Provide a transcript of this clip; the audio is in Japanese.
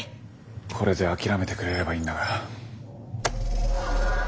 これで諦めてくれればいいんだが。